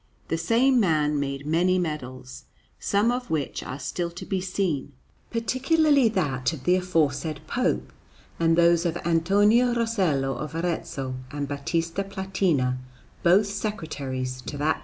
The same man made many medals, some of which are still to be seen, particularly that of the aforesaid Pope, and those of Antonio Rosello of Arezzo and Batista Platina, both Secretaries to that Pontiff.